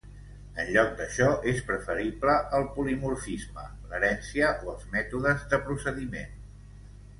En lloc d'això, es preferible el polimorfisme, l'herència o els mètodes de procediment.